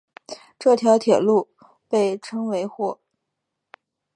这条铁路被称为或。